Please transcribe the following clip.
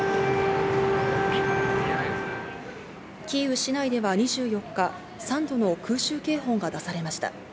キーウ市内では２４日、３度の空襲警報が出されました。